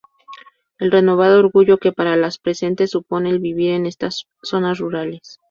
el renovado orgullo que para las presentes supone el vivir en estas zonas rurales.